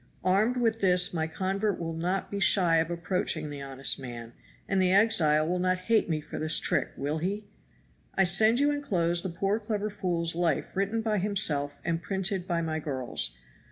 Armed with this my convert will not be shy of approaching the honest man, and the exile will not hate me for this trick will he? I send you inclosed the poor clever fool's life written by himself and printed by my girls.